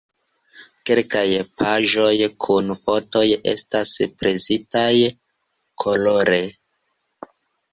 Kelkaj paĝoj kun fotoj estas presitaj kolore.